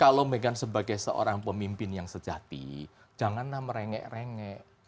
kalau kita bilang mereka sebagai seorang pemimpin yang sejati janganlah merengek rengek